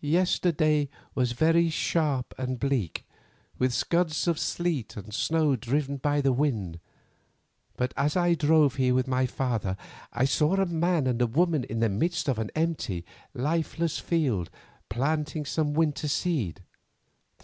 "Yesterday was very sharp and bleak, with scuds of sleet and snow driven by the wind, but as I drove here with my father I saw a man and a woman in the midst of an empty, lifeless field, planting some winter seed.